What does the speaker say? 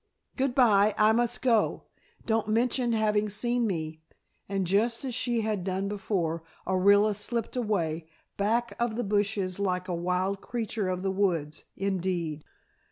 Good bye, I must go. Don't mention having seen me," and just as she had done before, Orilla slipped away, back of the bushes like a wild creature of the woods, indeed.